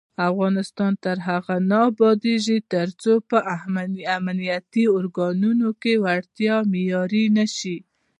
افغانستان تر هغو نه ابادیږي، ترڅو په امنیتي ارګانونو کې وړتیا معیار نشي.